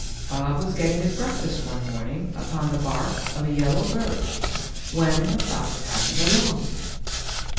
Bob was getting his breakfast one morning upon the bark of a yellow birch when the fox happened along.